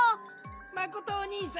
まことおにいさん